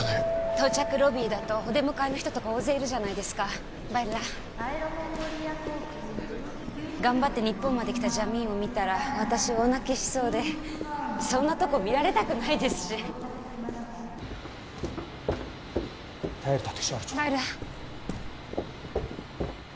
到着ロビーだとお出迎えの人とか大勢いるじゃないですか頑張って日本まで来たジャミーンを見たら私大泣きしそうでそんなとこ見られたくないですしドラムさん！